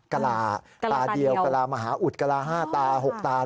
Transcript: กระลาตาเดียวกะลามหาอุดกะลา๕ตา๖ตา